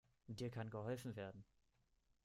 Dir kann geholfen werden.